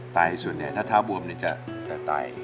ตายที่สุดเนี่ยถ้าเท้าบวมเนี่ยจะตาย